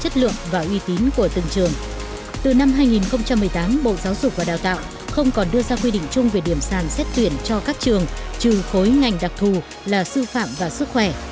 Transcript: từ năm hai nghìn một mươi tám bộ giáo dục và đào tạo không còn đưa ra quy định chung về điểm sàn xét tuyển cho các trường trừ khối ngành đặc thù là sư phạm và sức khỏe